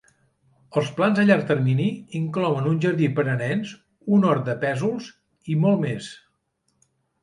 Els plans a llarg termini inclouen un jardí per a nens, un hort de pèsols i molt més.